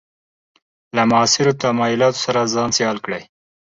له معاصرو تمایلاتو سره ځان سیال کړي.